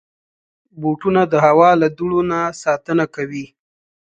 بوټونه د هوا له دوړو نه ساتنه کوي.